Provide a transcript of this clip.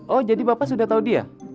oh jadi bapak sudah tahu dia